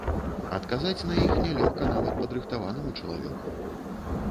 Адказаць на іх не лёгка нават падрыхтаванаму чалавеку.